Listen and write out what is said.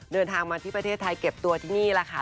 เดินทางมาที่ประเทศไทยเก็บตัวที่นี่แหละค่ะ